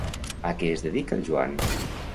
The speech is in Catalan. A què es dedicava el Joan?